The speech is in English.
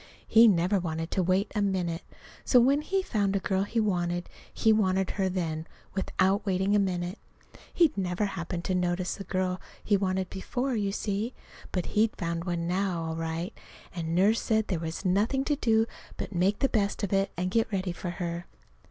He never wanted to wait a minute. So when he found a girl he wanted, he wanted her right then, without waiting a minute. He'd never happened to notice a girl he wanted before, you see. But he'd found one now, all right; and Nurse said there was nothing to do but to make the best of it, and get ready for her.